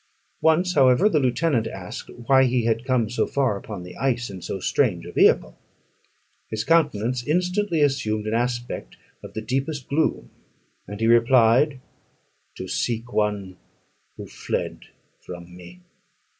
Once, however, the lieutenant asked, Why he had come so far upon the ice in so strange a vehicle? His countenance instantly assumed an aspect of the deepest gloom; and he replied, "To seek one who fled from me."